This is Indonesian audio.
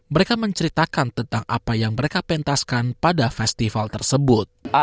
mereka menceritakan tentang apa yang mereka pentaskan pada festival tersebut